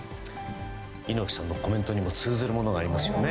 猪木さんのコメントにも通ずるものがありますよね。